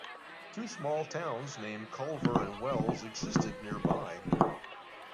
Two small towns named Culver and Wells existed nearby.